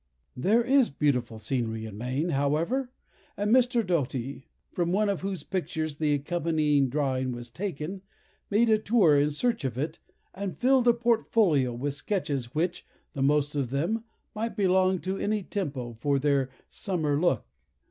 There is beautiful scenery in Maine, however; and Mr. Doughty, from one of whose pictures the accompanying drawing was taken, made a tour in search of it, and filled a portfolio with sketches which (the most of them) might belong to any Tempo for their summer look.